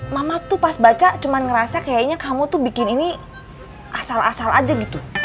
mama tuh pas baca cuma ngerasa kayaknya kamu tuh bikin ini asal asal aja gitu